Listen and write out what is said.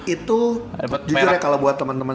itu jujur ya kalau buat temen temen